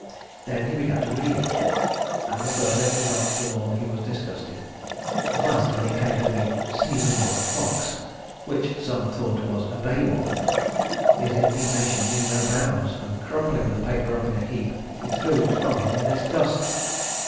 He then began to read it, and the further he got the more he was disgusted. At last, when he came to the 'seasonal fox, which some thought was a bay one,' his indignation knew no bounds, and crumpling the paper up in a heap, he threw it from him in disgust.